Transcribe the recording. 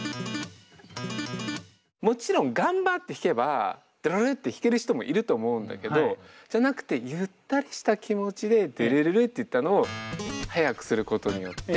もちろん頑張って弾けばドゥルルッて弾ける人もいると思うんだけどじゃなくてゆったりした気持ちでドゥルルルッていったのを速くすることによってん？